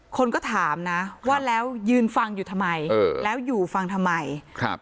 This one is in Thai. คนก็ถามนะว่าแล้วยืนฟังอยู่ทำไมเออแล้วอยู่ฟังทำไมครับ